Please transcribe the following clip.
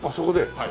はい。